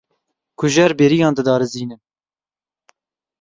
Kujer bêriyan didarizînin.